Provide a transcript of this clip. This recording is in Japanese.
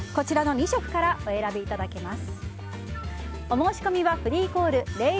２色からお選びいただけます。